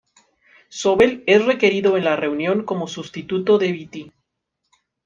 Sobel es requerido en la reunión como sustituto de Vitti.